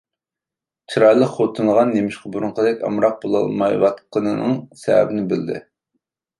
چىرايلىق خوتۇنىغا نېمىشقا بۇرۇنقىدەك ئامراق بولالمايۋاتقىنىنىڭ سەۋەبىنى بىلدى.